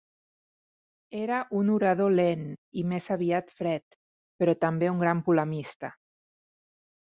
Era un orador lent i més aviat fred, però també un gran polemista.